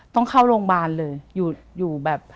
ต้องเข้าโรงพยาบาลเลยอยู่แบบ